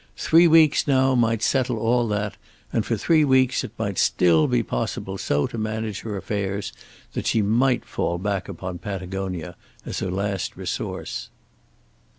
Three weeks now might settle all that and for three weeks it might still be possible so to manage her affairs that she might fall back upon Patagonia as her last resource.